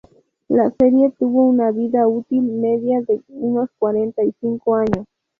La serie tuvo una vida útil media de unos cuarenta y cinco años.